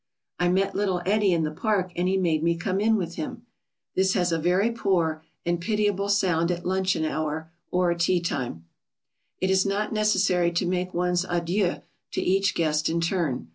"I met little Eddy in the park, and he made me come in with him." This has a very poor and pitiable sound at luncheon hour or teatime. [Sidenote: Making one's adieux.] It is not necessary to make one's adieux to each guest in turn.